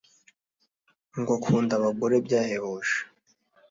ngo akunda abagore byahebuje